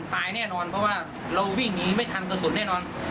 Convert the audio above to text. ตายแน่นอนเพราะว่าเราวิ่งหนีไม่ทันกระสุนแน่นอน